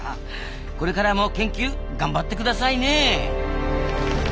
これからも研究頑張ってくださいね！